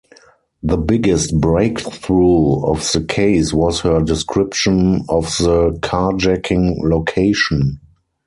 The biggest breakthrough of the case was her description of the carjacking location.